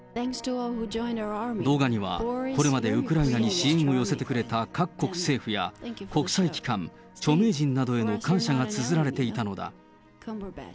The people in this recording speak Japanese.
動画には、これまでウクライナに支援を寄せてくれた各国政府や国際機関、著名人などへの感謝がつづられていたのだ。